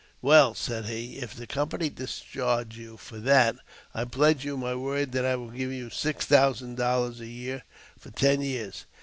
" Well," said he, " if the company discharge you for that, I pledge you my word that I will give you six thousand dollars a year for ten years."